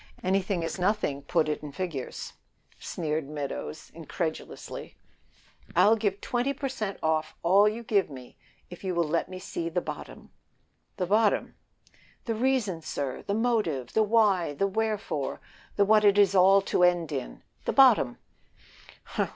"Anything is nothing; put it in figures," sneered Meadows, incredulously. "I'll give twenty per cent off all you give me if you will let me see the bottom." "The bottom?" "The reason, sir the motive! the why! the wherefore the what it is all to end in. The bottom!"